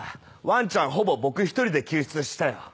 ワンちゃんほぼ僕一人で救出したよ。